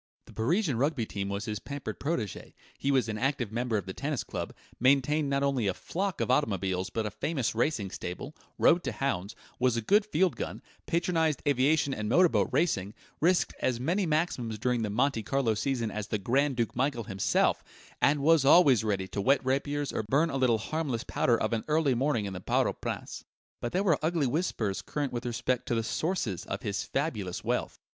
The Parisian Rugby team was his pampered protégé, he was an active member of the Tennis Club, maintained not only a flock of automobiles but a famous racing stable, rode to hounds, was a good field gun, patronized aviation and motor boat racing, risked as many maximums during the Monte Carlo season as the Grand Duke Michael himself, and was always ready to whet rapiers or burn a little harmless powder of an early morning in the Parc aux Princes. But there were ugly whispers current with respect to the sources of his fabulous wealth.